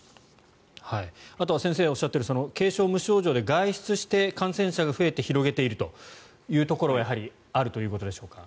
あとは先生がおっしゃっている軽症、無症状で外出して感染者が増えているとやはりあるということでしょうか。